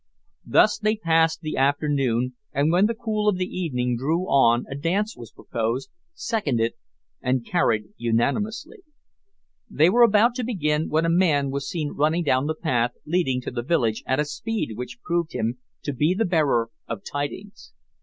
Thus they passed the afternoon, and when the cool of the evening drew on a dance was proposed, seconded, and carried unanimously. They were about to begin when a man was seen running down the path leading to the village at a speed which proved him to be the bearer of tidings.